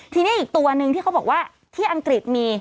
ทีนี้อีกตัวหนึ่งที่เขาบอกว่าที่อังกฤษมี